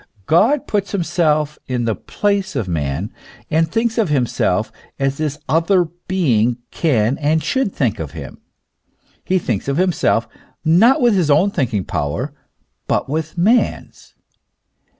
Go'd puts him self in the place of man, and thinks of himself as this other being can and should think of him ; he thinks of himself, not with his own thinking power, but with man's.